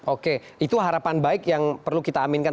oke itu harapan baik yang perlu kita aminkan